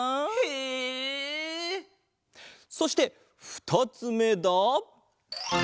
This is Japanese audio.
そしてふたつめだ。